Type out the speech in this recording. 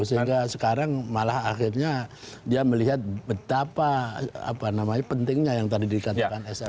sehingga sekarang malah akhirnya dia melihat betapa apa namanya pentingnya yang tadi dikatakan smr